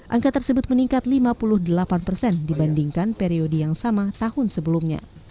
angka tersebut meningkat lima puluh delapan persen dibandingkan periode yang sama tahun sebelumnya